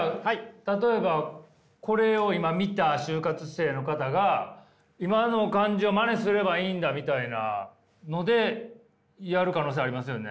例えばこれを今見た就活生の方が今の感じをまねすればいいんだみたいなのでやる可能性ありますよね？